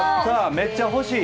めっちゃ欲しい！